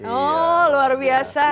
oh luar biasa